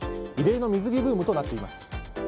異例の水着ブームとなっています。